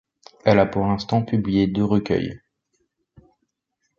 Elle a pour l'instant publié deux recueils.